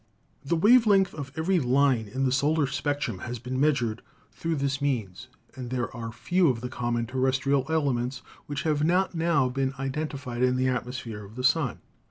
The wave length of every line in the solar spectrum has been measured through this means, and there are few of THE NATURE OF LIGHT in the common terrestrial elements which have not now been identified in the atmosphere of the sun.